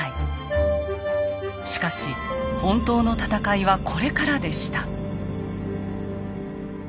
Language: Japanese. しかし本当の戦いはこれからでした。